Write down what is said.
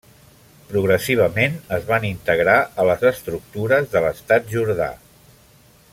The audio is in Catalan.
Progressivament es van integrar a les estructures de l'estat jordà.